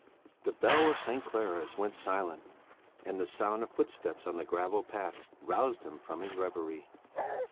The bell of St. Clara's was silent, and the sound of footsteps on the gravel path roused him from his reverie.